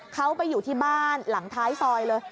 เขาไปอยู่ที่บ้านหลังท้ายซอยเลย